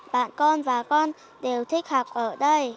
bạn con và con đều thích học ở ngôi trường này